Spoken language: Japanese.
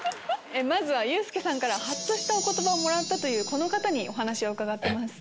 まずはユースケさんからハッとしたお言葉をもらったこの方にお話を伺ってます。